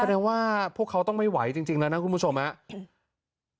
แสดงว่าพวกเขาต้องไม่ไหวจริงแล้วนะคุณผู้ชมครับ